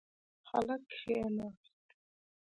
هلک کښېناست.